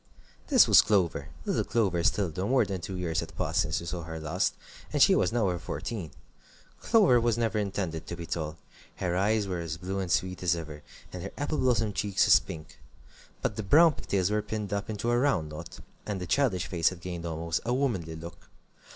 This was Clover, little Clover still, though more than two years had passed since we saw her last, and she was now over fourteen. Clover was never intended to be tall. Her eyes were as blue and sweet as ever, and her apple blossom cheeks as pink. But the brown pig tails were pinned up into a round knot, and the childish face had gained almost a womanly look.